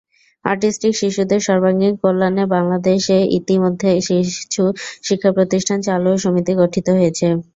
Autistic শিশুদের সর্বাঙ্গীন কল্যাণে বাংলাদেশে ইতিমধ্যে কিছু শিক্ষা প্রতিষ্ঠান চালু ও সমিতি গঠিত হয়েছে।